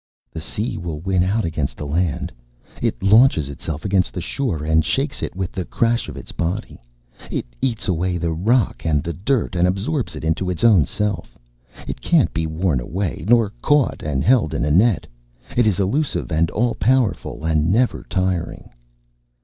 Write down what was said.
"The Sea will win out against the Land. It launches itself against the shore and shakes it with the crash of its body. It eats away the rock and the dirt and absorbs it into its own self. It can't be worn away nor caught and held in a net. It is elusive and all powerful and never tiring."